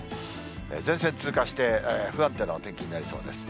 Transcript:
前線通過して、不安定なお天気になりそうです。